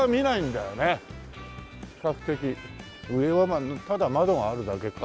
比較的上はまあただ窓があるだけか。